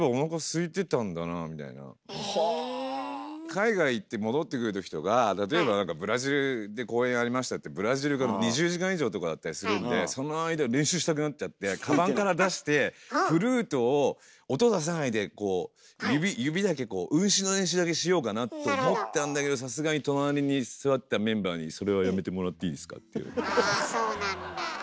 海外行って戻ってくる時とか例えば何かブラジルで公演ありましたってブラジルから２０時間以上とかだったりするんでその間練習したくなっちゃってカバンから出してフルートを音出さないでこう指だけこう運指の練習だけしようかなと思ったんだけどさすがに隣に座ってたメンバーに「それはやめてもらっていいですか」って言われて。